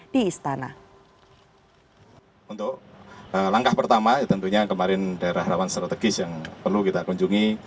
di istana untuk langkah pertama tentunya kemarin daerah rawan strategis yang perlu kita kunjungi